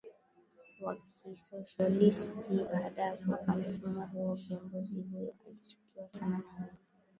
wa kisosholisti Baada ya kuweka mfumo huo kiongozi huyo alichukiwa sana na wengi hasa